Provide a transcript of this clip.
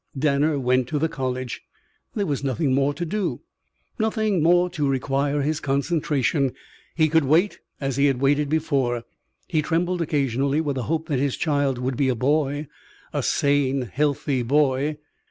Danner went to the college. There was nothing more to do, nothing more to require his concentration. He could wait as he had waited before. He trembled occasionally with the hope that his child would be a boy a sane, healthy boy.